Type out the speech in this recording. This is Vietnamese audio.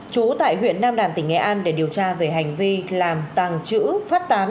chú tại huyện nam đàn tỉnh nghệ an để điều tra về hành vi làm tàng chữ phát tán